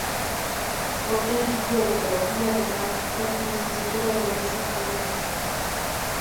Obtiene el título en teología dogmática y la licenciatura en derecho canónico.